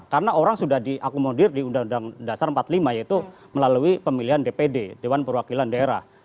karena orang sudah diakomodir di undang undang dasar seribu sembilan ratus empat puluh lima yaitu melalui pemilihan dpd dewan perwakilan daerah